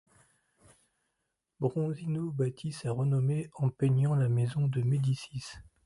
Bronzino bâtit sa renommée en peignant la maison de Médicis.